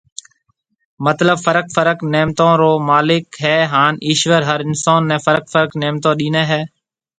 مطلب فرق فرق نعمتون رو مالڪ هي هان ايشور هر انسون ني فرق فرق نعمتون ڏيني هي